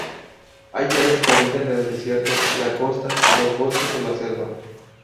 Hay aves que habitan el desierto, la costa, los bosques o la selva.